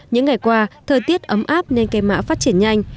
những ngày qua thời tiết ấm áp nên cây mạ phát triển nhanh